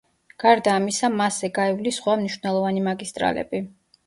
გარდა ამისა, მასზე გაივლის სხვა მნიშვნელოვანი მაგისტრალები.